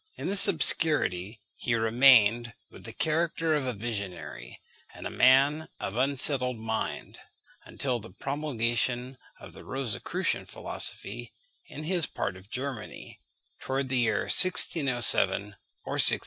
In this obscurity he remained, with the character of a visionary and a man of unsettled mind, until the promulgation of the Rosicrucian philosophy in his part of Germany, toward the year 1607 or 1608.